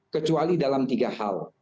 kecuali dalam tiga hal